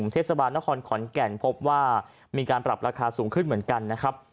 เทศบาลนครขอนแก่นพบว่ามีการปรับราคาสูงขึ้นเหมือนกันนะครับ